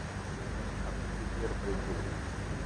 Artikuj tjerë prej druri.